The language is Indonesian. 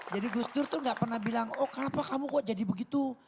jadi gus dur itu enggak pernah bilang oh kenapa kamu kok jadi begitu